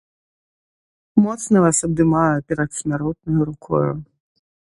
Моцна вас абдымаю перадсмяротнаю рукою.